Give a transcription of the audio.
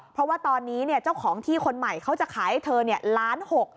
เพราะว่าตอนนี้เจ้าของที่คนใหม่เขาจะขายให้เธอล้านหก